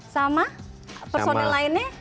sama personel lainnya